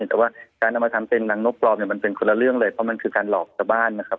แต่ว่าการเอามาทำเป็นรังนกปลอมเนี่ยมันเป็นคนละเรื่องเลยเพราะมันคือการหลอกชาวบ้านนะครับ